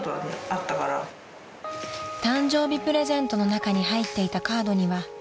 ［誕生日プレゼントの中に入っていたカードには］